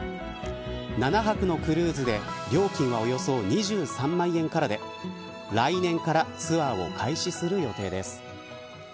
７泊のクルーズで料金はおよそ２３万円からで来年からツアーを開始する予定です。